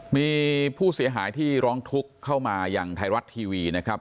มีผู้เสียหายที่ร้องทุกข์เข้ามาอย่างไทยรัฐทีวีนะครับ